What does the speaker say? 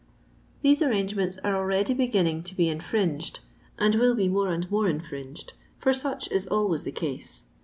These arrangements are already beginning to be infringed, and will be more and more infringed, for such is always the case.